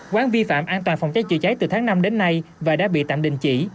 quán vi phạm an toàn phòng cháy chữa cháy từ tháng năm đến nay và đã bị tạm đình chỉ